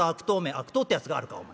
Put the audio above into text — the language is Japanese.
「悪党ってやつがあるかお前。